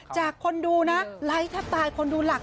จากคนดูนะไลค์แทบตายคนดูหลัก